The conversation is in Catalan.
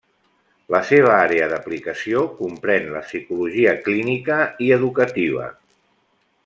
La seva àrea d’aplicació comprèn la psicologia clínica i educativa.